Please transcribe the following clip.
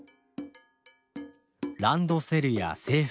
ランドセルや制服